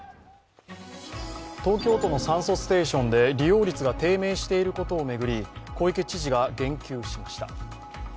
東京都の酸素ステーションで利用率が低迷していることを巡り小池知事が言及しました。